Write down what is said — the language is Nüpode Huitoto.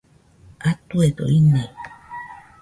Atuedo ine